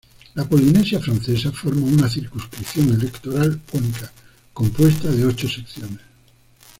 La Polinesia Francesa forma una circunscripción electoral única, compuesta de ocho secciones.